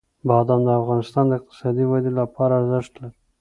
بادام د افغانستان د اقتصادي ودې لپاره ارزښت لري.